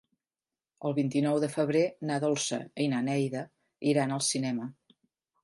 El vint-i-nou de febrer na Dolça i na Neida iran al cinema.